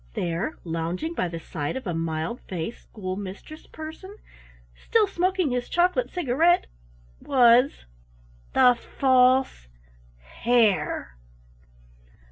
There, lounging by the side of a mild faced School Mistress Person, still smoking his chocolate cigarette, was the False Hare!